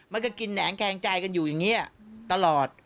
มันก็กินแหนงแคงใจกันอยู่อย่างนี้ตลอด